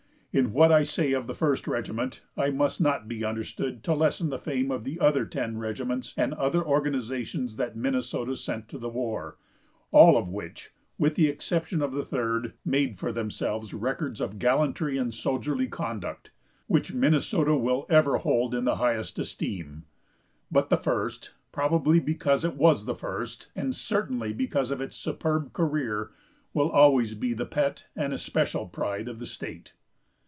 In what I say of the first regiment, I must not be understood to lessen the fame of the other ten regiments and other organizations that Minnesota sent to the war, all of which, with the exception of the Third, made for themselves records of gallantry and soldierly conduct, which Minnesota will ever hold in the highest esteem. But the First, probably because it was the first, and certainly because of its superb career, will always be the pet and especial pride of the state.